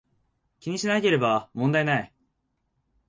気にしなければ問題無い